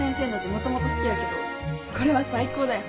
もともと好きやけどこれは最高だよ。